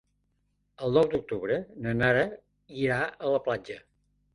El nou d'octubre na Nara irà a la platja.